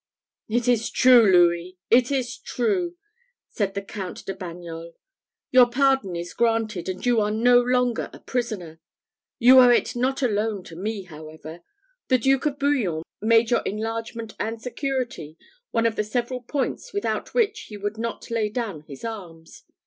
"It is true, Louis! it is true!" said the Count de Bagnols; "your pardon is granted, and you are no longer a prisoner. You owe it not alone to me, however; the Duke of Bouillon made your enlargement and security one of the several points without which he would not lay down his arms.